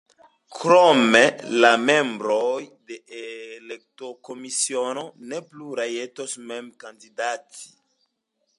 Krome la membroj de la elektokomisiono ne plu rajtos mem kandidati.